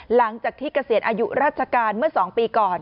หลังจากที่เกษียณอายุราชการเมื่อสองปีก่อน